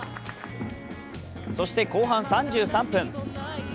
そして後半３３分。